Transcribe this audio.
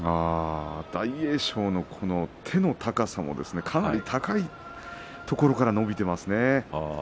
大栄翔の手の高さもかなり高いところから伸びていますね。